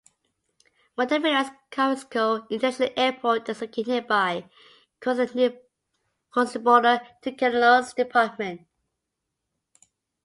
Montevideo's Carrasco International Airport is located nearby, crossing the border to Canelones Department.